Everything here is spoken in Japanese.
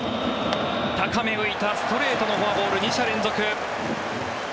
高め、浮いたストレートのフォアボール２者連続。